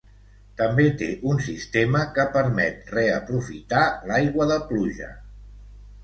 També té un sistema que permet reaprofitar l'aigua de pluja.